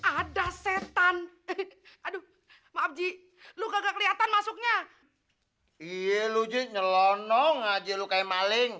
ada setan aduh maaf ji lu kagak kelihatan masuknya iya lu ji nyelonong aja lu kayak maling